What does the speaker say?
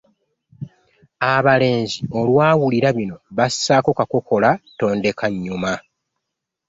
Abalenzi olwawulira bino bassaako kakokola tondeka nnyuma.